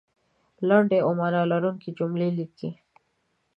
لنډې او معنا لرونکې جملې لیکئ